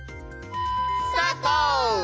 スタート！